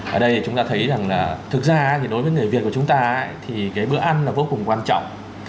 ở đây chúng ta thấy rằng là thực ra thì đối với người việt của chúng ta thì cái bữa ăn là vô cùng quan trọng